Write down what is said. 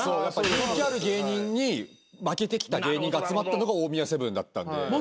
やっぱ人気ある芸人に負けてきた芸人が集まったのが大宮セブンだったんで。